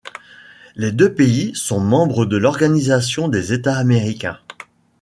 Les deux pays sont membres de l'Organisation des États américains.